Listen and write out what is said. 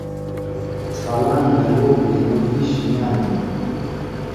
Falanga yobe yo visha myanda.